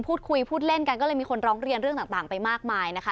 พูดคุยพูดเล่นกันก็เลยมีคนร้องเรียนเรื่องต่างไปมากมายนะคะ